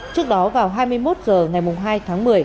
trước đó vào hai mươi một h ngày hai tháng một mươi